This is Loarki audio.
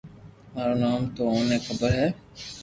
مارو نوم تو اوني خبر ھي